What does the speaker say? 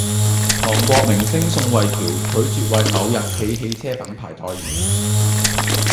韓國明星宋慧喬拒絕爲某日企汽車品牌代言